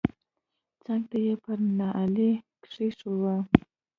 څنگ ته يې پر نيالۍ کښېښوه.